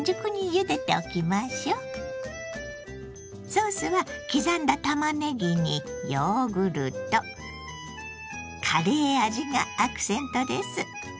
ソースは刻んだたまねぎにヨーグルトカレー味がアクセントです。